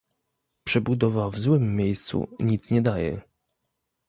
Przebudowa w złym miejscu nic nie daje